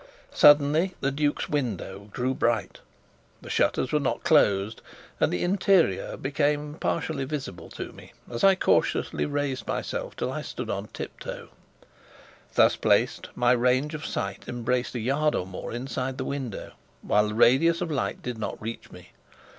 Suddenly the duke's window grew bright. The shutters were not closed, and the interior became partially visible to me as I cautiously raised myself till I stood on tiptoe. Thus placed, my range of sight embraced a yard or more inside the window, while the radius of light did not reach me.